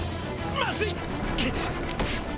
まずい！